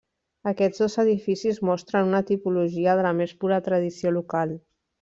Aquests dos edificis mostren una tipologia de la més pura tradició local.